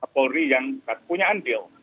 polri yang punya andil